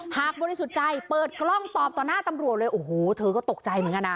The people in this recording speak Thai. บริสุทธิ์ใจเปิดกล้องตอบต่อหน้าตำรวจเลยโอ้โหเธอก็ตกใจเหมือนกันนะ